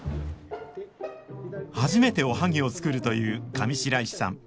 初めておはぎを作るという上白石さん。